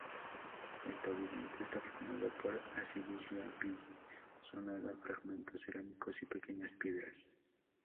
El pavimento está formado por arcilla apisonada, fragmentos cerámicos y pequeñas piedras.